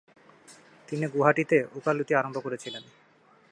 তিনি গুয়াহাটিতে উকালতি আরম্ভ করেছিলেন।